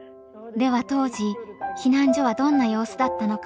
では当時避難所はどんな様子だったのか。